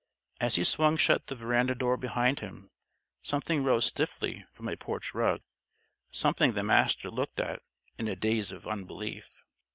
As he swung shut the veranda door behind him, Something arose stiffly from a porch rug Something the Master looked at in a daze of unbelief.